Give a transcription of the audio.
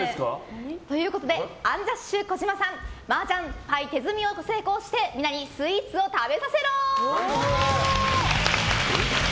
ということでアンジャッシュ児島さん麻雀牌手積みを成功してみんなにスイーツ食べさせろ！